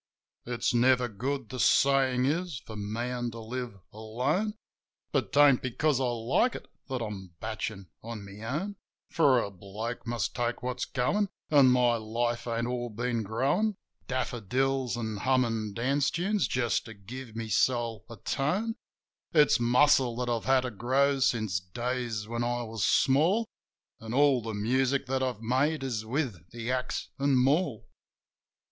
It's never good, the sayin' is, for man to live alone. But 'tain't because I like it that I'm batchin' on my own. For a bloke must take what's goin', an' my life ain't all been growin' 17 IS JIM OF THE HILLS Daifodils an' hummin' dance tunes just to give my soul a tone. It's muscle that I've had to grow since days when I was small, An' all the music that I've made is with the axe an' maul.